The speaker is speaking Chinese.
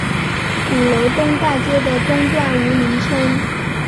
鼓楼东大街的东段无名称。